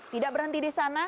tidak berhenti di sana